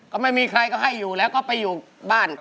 ก็ไม่มีใครก็ให้อยู่แล้วก็ไปอยู่บ้าน